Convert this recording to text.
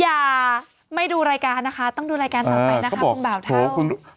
อย่าไม่ดูรายการนะคะต้องดูรายการต่อไปนะคะคุณบ่าวค่ะ